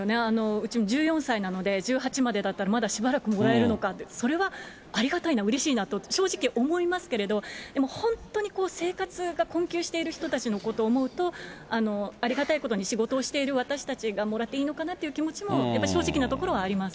うち１４歳なので、１８までだったら、まだしばらくもらえるのか、それはありがたいな、うれしいなと正直思いますけれども、でも本当に生活が困窮している人たちのことを思うと、ありがたいことに仕事をしている私たちがもらっていいのかなという気持ちも、やっぱり正直なところ、あります。